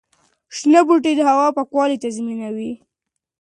شنه بوټي د هوا پاکوالي تضمینوي.